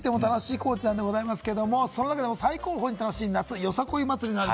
いつ行っても楽しい高知なんでございますけれども、その中でも最高峰に楽しい、高知よさこい祭り！